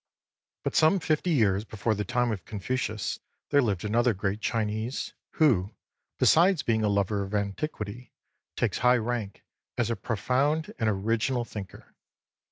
But some fifty years before the time of Confucius there lived another great Chinese, who, besides being a lover of antiquity, takes high rank as a profound and original thinker.